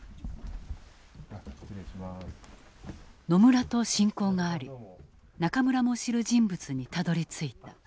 野村と親交があり中村も知る人物にたどりついた。